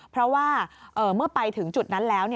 เพราะว่าเมื่อไปถึงจุดนั้นแล้ว